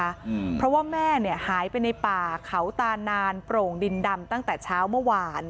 อืมเพราะว่าแม่เนี้ยหายไปในป่าเขาตานานโปร่งดินดำตั้งแต่เช้าเมื่อวาน